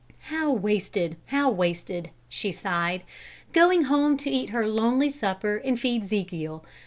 "How wasted! How wasted!" she sighed. "Going home to eat her lonely supper and feed 'Zekiel